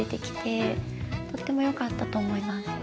とってもよかったと思います。